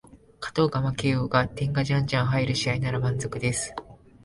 勝とうが負けようが点がじゃんじゃん入る試合なら満足です